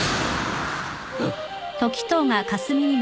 あっ！？